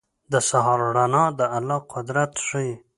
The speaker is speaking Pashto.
• د سهار رڼا د الله قدرت ښيي.